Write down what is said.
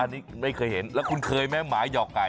อันนี้ไม่เคยเห็นแล้วคุณเคยไหมหมาหยอกไก่